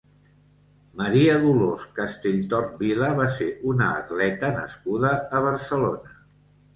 Maria Dolors Castelltort Vila va ser una atleta nascuda a Barcelona.